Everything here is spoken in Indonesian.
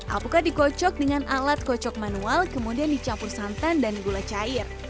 alpukat dikocok dengan alat kocok manual kemudian dicampur santan dan gula cair